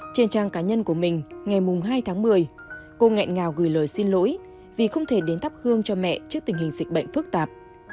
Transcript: trên trang cá nhân của mình ngày hai tháng một mươi cô nghẹn ngào gửi lời xin lỗi vì không thể đến thắp hương cho mẹ trước tình hình dịch bệnh phức tạp